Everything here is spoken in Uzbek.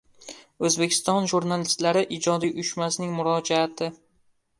O‘zbekiston Jurnalistlari ijodiy uyushmasining murojaati